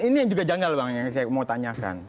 ini yang juga janggal bang yang saya mau tanyakan